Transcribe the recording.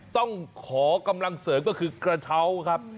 ต้องขอกำลังเสริมก็คือกระเช้าครับ